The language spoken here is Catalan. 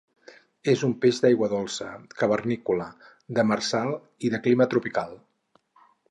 És un peix d'aigua dolça, cavernícola, demersal i de clima tropical.